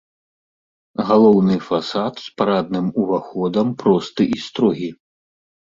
Галоўны фасад з парадным уваходам просты і строгі.